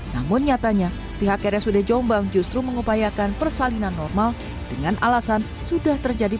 namun nyatanya pihak rsud jombang justru mengupayakan persalinan normal dengan alasan sudah terjadi